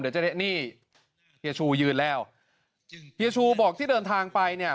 เดี๋ยวจะได้นี่เฮียชูยืนแล้วเฮียชูบอกที่เดินทางไปเนี่ย